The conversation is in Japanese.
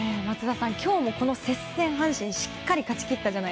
今日もこの接戦を阪神しっかり勝ち切った。